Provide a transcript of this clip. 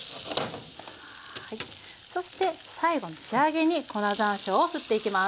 そして最後の仕上げに粉ざんしょうを振っていきます。